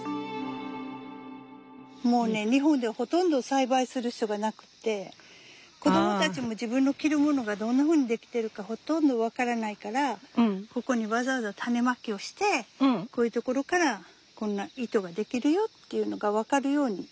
もうね日本ではほとんど栽培する人がなくて子どもたちも自分の着るものがどんなふうに出来てるかほとんど分からないからここにわざわざ種まきをしてこういうところからこんな糸が出来るよっていうのが分かるように。